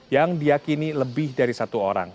yang diakini lebih dari satu orang